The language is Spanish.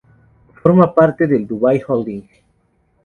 Forma parte del Dubai Holding.